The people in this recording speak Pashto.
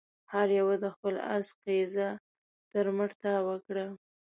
هر يوه د خپل آس قيضه تر مټ تاو کړه.